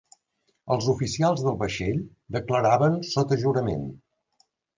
Els oficials del vaixell declaraven sota jurament.